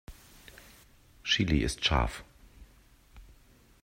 Chili ist scharf.